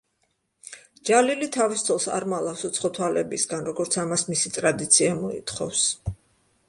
ჯალილი თავის ცოლს არ მალავს უცხო თვალებისგან, როგორც ამას მისი ტრადიცია მოითხოვს.